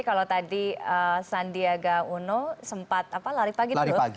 kalau tadi sandiaga uno sempat lari pagi dulu